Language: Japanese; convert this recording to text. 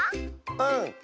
うん！